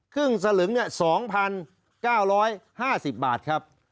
ครึ่งสลึง๒๙๕๐บาทครับ